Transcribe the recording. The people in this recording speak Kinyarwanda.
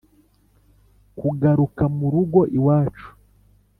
kugaruka murugo iwacu